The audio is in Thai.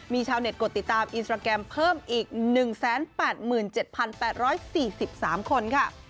มีชาวเน็ตกดติดตามอินสตราแกรมเพิ่มอีก๑๘๗๘๔๓คนค่ะ